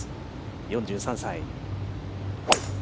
４３歳。